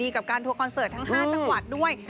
กับการทัวร์คอนเสิร์ตทั้ง๕จังหวัดด้วย